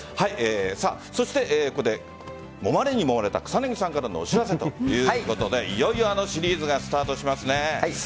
そして、ここでもまれにもまれた草なぎさんからのお知らせということでいよいよあのシリーズがスタートしますね。